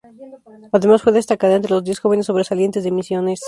Además fue destacada entre los diez jóvenes sobresalientes de Misiones.